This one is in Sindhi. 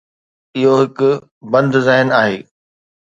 اهو هڪ بند ذهن آهي.